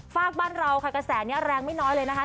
ฝากบ้านเราค่ะกระแสนี้แรงไม่น้อยเลยนะคะ